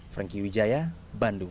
franky widjaya bandung